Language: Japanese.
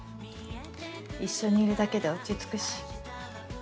一緒に居るだけで落ち着くし。